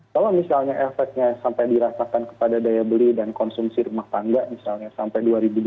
kalau misalnya efeknya sampai dirasakan kepada daya beli dan konsumsi rumah tangga misalnya sampai dua ribu dua puluh